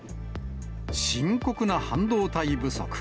深刻な半導体不足。